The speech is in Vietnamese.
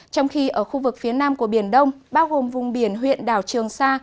trong khi ở khu vực phía nam của biển đông bao gồm vùng biển huyện đảo trường sa